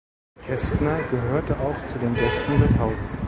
Kästner gehörte auch zu den Gästen des Hauses.